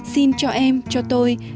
xin cho em cho tôi